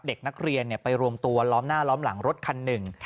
เด็กนักเรียนไปรวมตัวล้อมหน้าล้อมหลังรถคันหนึ่ง